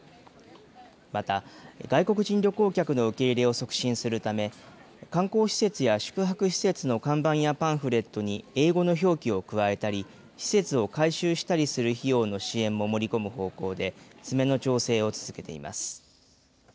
また、外国人旅行客の受け入れを促進するため、観光施設や宿泊施設の看板やパンフレットに英語の表記を加えたり、施設を改修したりする費用の支援も盛り込む方向で、詰めの調整を続けています。